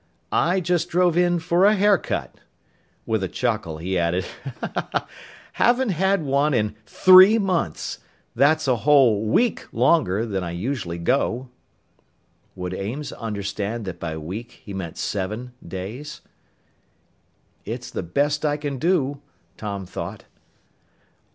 "I just drove in for a haircut." With a chuckle, he added, "Haven't had one in three months. That's a whole week longer than I usually go!" Would Ames understand that by "week" he meant seven days?... "It's the best I can do," Tom thought.